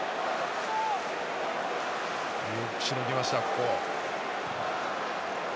よくしのぎました、ここ。